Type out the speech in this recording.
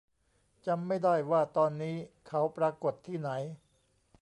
จำไม่ได้ว่าตอนนี้เขาปรากฏที่ไหน